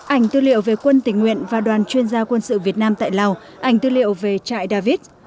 ảnh tư liệu về quân tỉnh nguyện và đoàn chuyên gia quân sự việt nam tại lào ảnh tư liệu về trại david